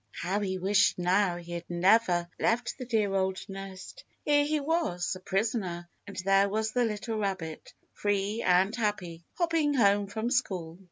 How he wished now he had never left the dear old nest. Here he was, a prisoner, and there was the little rabbit, free and happy, hopping home from school.